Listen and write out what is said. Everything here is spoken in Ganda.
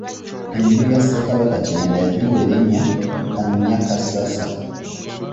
Enju ya Ssekabaka Kimera yagiwa elinnya Kannyakassasa.